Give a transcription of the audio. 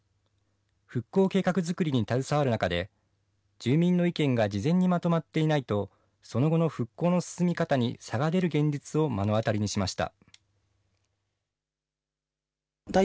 復興計画づくりに携わる中で、住民の意見が事前にまとまっていないと、その後の復興の進み方に差が出る現実を目の当たりにしました。